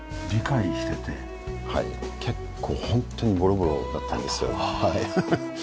はい結構ホントにボロボロだったんですよ。